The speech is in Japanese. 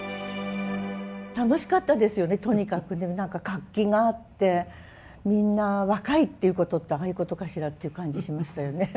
楽しかったですよねとにかく活気があってみんな若いっていうことってああいうことかしらっていう感じしましたよね。